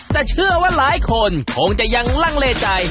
แต่เชื่อว่าหลายคนคงจะยังลังเลใจ